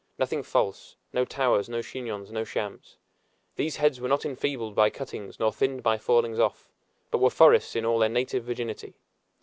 Nothing false; no towers, no chignons, no shams! These head were not enfeebled by cuttings nor thinned by fallings off, but were forests in all their native virginity!